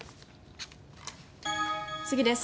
次です。